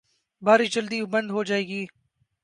بارش جلدی بند ہو جائے گی۔